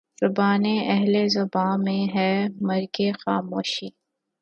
زبانِ اہلِ زباں میں ہے مرگِ خاموشی